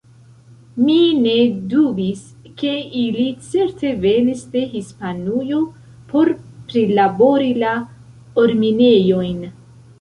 Mi ne dubis, ke ili certe venis de Hispanujo por prilabori la orminejojn.